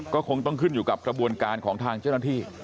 ก็คงต้องขึ้นอยู่กับกระบวนการของทางเจ้าหน้าที่